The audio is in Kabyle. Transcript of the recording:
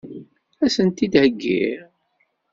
Ad sen-t-id-heggiɣ?